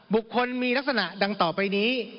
บุคคลมีลักษณะดังต่อไปนี้